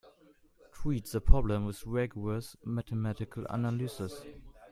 Treat the problem with rigorous mathematical analysis.